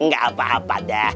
gak apa apa dah